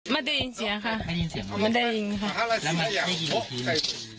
ไม่ได้ยินเสียงค่ะไม่ได้ยินเสียงค่ะไม่ได้ยินค่ะแล้วมันไม่ได้ยินอีกที